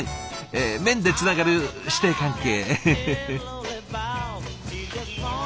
え麺でつながる師弟関係。